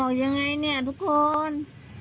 เอาเพยงไงนี่ทุกคน